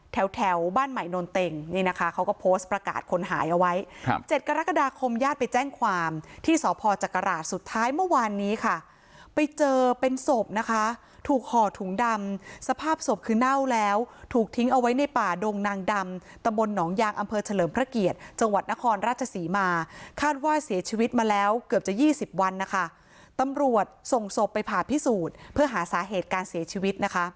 แถวแถวบ้านใหม่นอนเต็งนี่นะคะเขาก็โพสต์ประกาศคนหายเอาไว้ครับเจ็ดกรกฎาคมญาติไปแจ้งความที่สจักราชสุดท้ายเมื่อวานนี้ค่ะไปเจอเป็นศพนะคะถูกห่อถุงดำสภาพศพคือเน่าแล้วถูกทิ้งเอาไว้ในป่าดงนางดำตะบลหนองยางอำเภอเฉลิมพระเกียรติจังหวัดนครราชสีมาคาดว่าเสียชีวิ